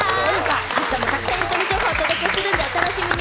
あしたもたくさんエンタメ情報をお届けするのでお楽しみに！